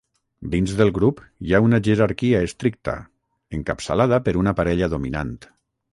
Dins del grup hi ha una jerarquia estricta, encapçalada per una parella dominant.